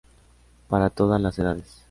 Para todas las edades